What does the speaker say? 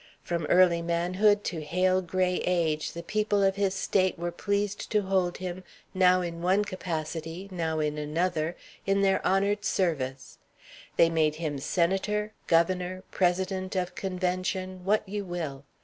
From early manhood to hale gray age, the people of his State were pleased to hold him, now in one capacity, now in another, in their honored service; they made him Senator, Governor, President of Convention, what you will.